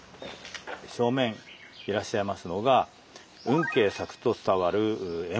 正面いらっしゃいますのが運慶作と伝わる閻魔大王像。